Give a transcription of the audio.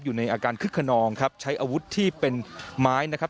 อยู่ในอาการคึกขนองครับใช้อาวุธที่เป็นไม้นะครับ